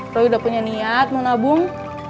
roy udah punya niat mau nabung